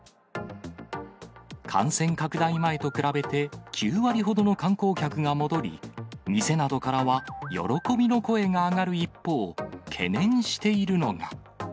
感染拡大前と比べて、９割ほどの観光客が戻り、店などからは喜びの声が上がる一方、懸念しているのが。